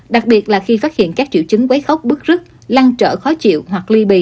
đặc biệt là khi phát hiện các triệu chứng quấy khóc bước rứt lăn trở khó chịu hoặc ly bì